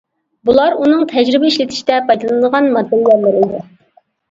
بۇلار ئۇنىڭ تەجرىبە ئىشلىتىشتە پايدىلىنىدىغان ماتېرىياللىرى ئىدى.